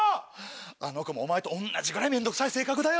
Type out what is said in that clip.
あの子もお前と同じぐらい面倒くさい性格だよ。